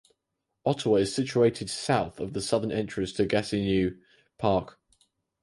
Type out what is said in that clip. Ottawa is situated south of the southern entrance to Gatineau Park.